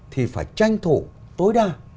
thì phải tranh thủ tối đa